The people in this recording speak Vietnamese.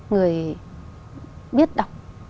người biết đọc